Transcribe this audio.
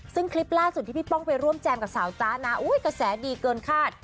ซึ่งคลิปล่าสุดที่พี่ป้องไปร่วมแจมกับสาวจ๊ะนะกระแสดีเกินคาด